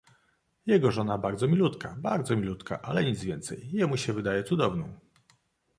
"Jego żona bardzo milutka, bardzo milutka, ale nic więcej... Jemu się wydaje cudowną."